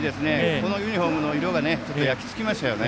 このユニフォームの色が焼きつきましたよね。